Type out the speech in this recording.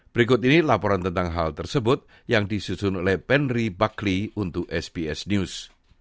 berikut ini laporan tentang hal tersebut yang disusun oleh penry buckley untuk sbs news